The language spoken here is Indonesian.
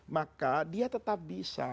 maka dia tetap bisa